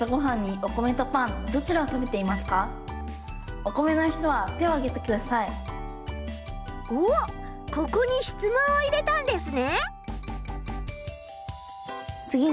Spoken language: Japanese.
おっここにしつもんを入れたんですね。